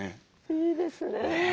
いいですね。